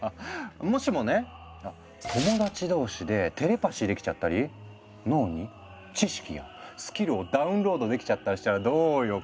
もしもね友達同士でテレパシーできちゃったり脳に知識やスキルをダウンロードできちゃったりしたらどうよ？